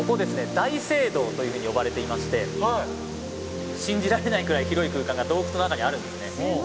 「大聖堂」というふうに呼ばれていまして信じられないくらい広い空間が洞窟の中にあるんですね